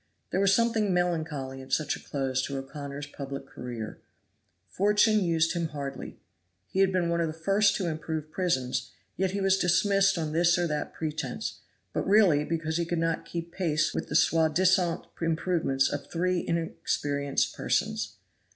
There was something melancholy in such a close to O'Connor's public career. Fortune used him hardly. He had been one of the first to improve prisons, yet he was dismissed on this or that pretense, but really because he could not keep pace with the soi disant improvements of three inexperienced persons.